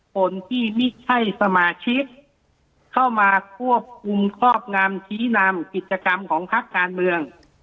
คนที่ไม่ใช่สมาชิกเข้ามาควบคุมครอบงำชี้นำกิจกรรมของพักการเมือง